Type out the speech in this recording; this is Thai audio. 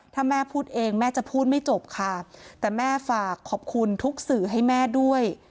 ถ้าแม่พูดเองแม่จะพูดไม่จบค่ะแต่แม่ฝากขอบคุณทุกสื่อให้แม่ด้วย